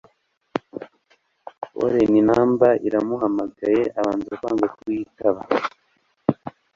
foreign number iramuhamagaye abanza kwanga kuyitaba